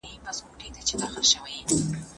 سړي په خپل چل او هنر سره دواړه مامورین تېر ایستل.